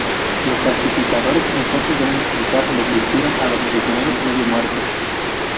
Los falsificadores entonces deben explicar lo que hicieron a los prisioneros medio muertos.